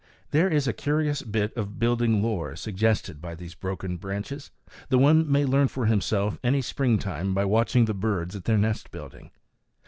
There is a curious bit of building lore suggested by these broken branches, that one may learn for himself any springtime by watching the birds at their nest building.